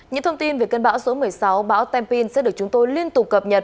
những thông tin về cơn bão số một mươi sáu bão tempin sẽ được chúng tôi liên tục cập nhật